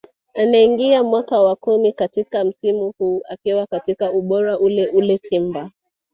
Anaingia mwaka wa kumi katika msimu huu akiwa katika ubora ule ule Simba